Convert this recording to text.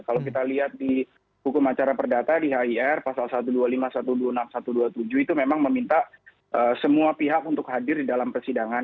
kalau kita lihat di hukum acara perdata di hir pasal satu ratus dua puluh lima satu ratus dua puluh enam satu ratus dua puluh tujuh itu memang meminta semua pihak untuk hadir di dalam persidangan